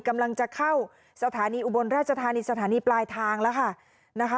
กำลังจะเข้าสถานีอุบลราชธานีสถานีปลายทางแล้วค่ะนะคะ